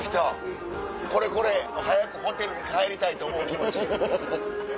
これこれ！早くホテルに帰りたいって思う気持ち。